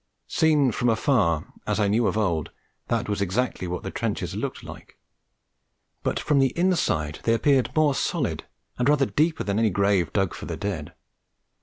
Seen from afar, as I knew of old, that was exactly what the trenches looked like; but from the inside they appeared more solid and rather deeper than any grave dug for the dead.